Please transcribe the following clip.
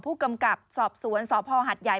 ผู้กำกับสอบสวนสภหัทยาย